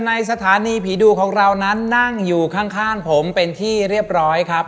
สถานีผีดุของเรานั้นนั่งอยู่ข้างผมเป็นที่เรียบร้อยครับ